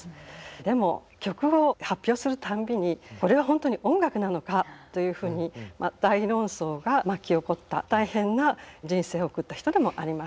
でも曲を発表するたんびにこれは本当に音楽なのかというふうに大論争が巻き起こった大変な人生を送った人でもあります。